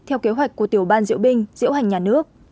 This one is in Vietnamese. theo kế hoạch của tiểu ban diễu binh diễu hành nhà nước